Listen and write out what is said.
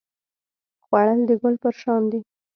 خوړل د ګل پر شان دی